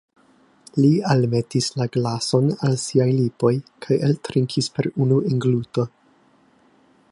Li almetis la glason al siaj lipoj, kaj eltrinkis per unu engluto.